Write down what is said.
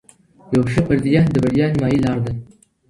یوه ښه فرضیه د بریا نیمايي لار ده.